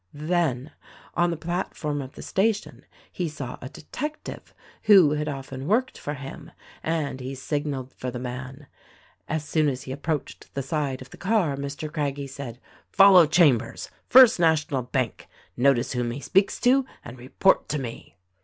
Then, on the platform of the station, he saw a detective who had often worked for him, and he signaled for the man. As soon as he approached the side of the car Mr. Craggie said, "Follow Chambers ! First National Bank. Notice whom he speaks to, and report to me."